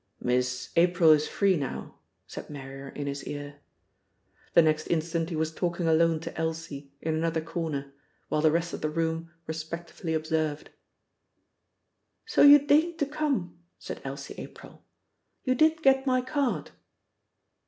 "Miss April is free now," said Marrier in his ear. The next instant he was talking alone to Elsie in another corner, while the rest of the room respectfully observed. "So you deigned to come!" said Elsie April. "You did get my card!"